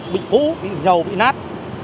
bị hũ bị dầu bị nát